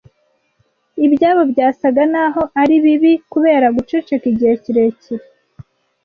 Ibyo byasaga naho ari bibi kubera guceceka igihe kirekire